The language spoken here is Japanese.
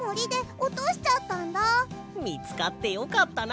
みつかってよかったな！